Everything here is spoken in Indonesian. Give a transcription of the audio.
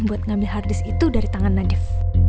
buat ngambil hard disk itu dari tangan nadif